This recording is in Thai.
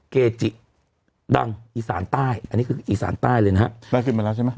เกจิดังอีสานใต้อันนี้คืออีสานใต้เลยนะฮะได้ขึ้นมาแล้วใช่ไหม